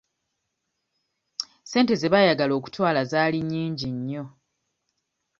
Ssente ze baayagala okutwala zaali nnyingi nnyo.